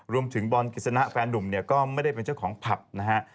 รวมถึงบอลกิจสนะแฟนนุ่มเนี่ยก็ไม่ได้เป็นเจ้าของผับนะฮะ